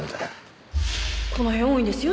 この辺多いんですよ